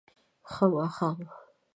ښه ماښام